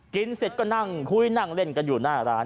เสร็จก็นั่งคุยนั่งเล่นกันอยู่หน้าร้าน